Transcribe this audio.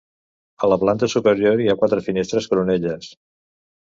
A la planta superior hi ha quatre finestres coronelles.